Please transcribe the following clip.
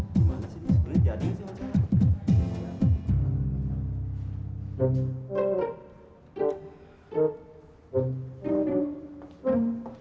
gimana sih ini sebenernya jadi sih macam mana